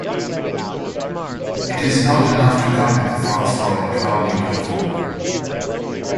It is not enough to copy the files for a locale into the folder.